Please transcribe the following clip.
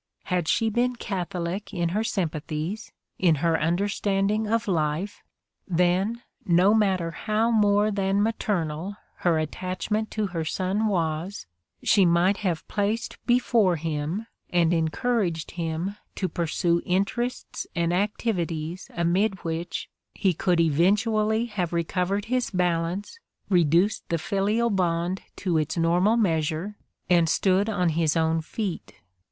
Had she been catholic in her sympathies, in her understanding of life, then, no matter how more than maternal her attachment to her son was, she might have placed before him and encour aged him to pursue interests and activities amid which he could eventually have recovered his balance, reduced the filial bond to its normal measure and stood on his own feet.